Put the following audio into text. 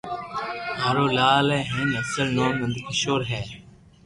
مارو لال ھي ھين اصل نوم نند ڪيݾور ھي